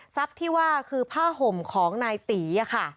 ทรัพย์ที่ว่าคือผ้าห่มของนายตี๋อ่ะค่ะ